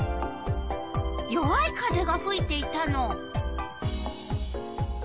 弱い風がふいていたの。